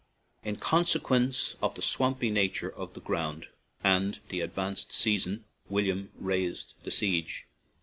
In consequence of the swampy nature of the ground and the advanced season, William raised the siege.